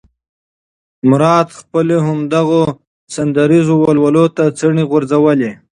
مراد خپله هم دغو سندریزو ولولو ته څڼې غورځولې.